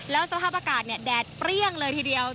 แล้วสภาพอากาศแดดเปรี้ยงเลยทีเดียว